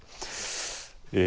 え